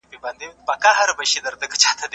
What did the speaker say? مه پرېږدئ چي محتکرین ستاسو حق وخوري.